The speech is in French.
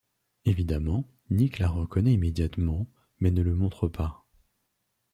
Évidemment Nick la reconnaît immédiatement mais ne le montre pas.